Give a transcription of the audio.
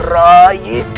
rayi genting manik